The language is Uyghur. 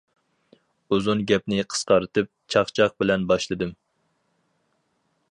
ئۇزۇن گەپنى قىسقارتىپ، چاقچاق بىلەن باشلىدىم.